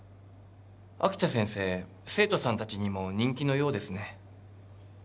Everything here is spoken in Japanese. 秋田先生生徒さんたちにも人気のようですね。